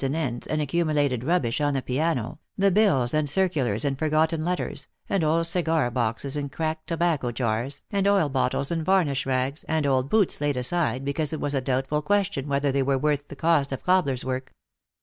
and ends and accumulated rubbish on the piano, the bills and circulars and forgotten letters, and old cigar boxes and cracked tobacco jars, and oil bottles and varnish rags, and old boots laid aside because it was a doubtful question whether they were worth the cost of cobbler's work.